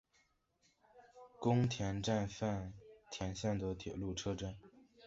宫田站饭田线的铁路车站。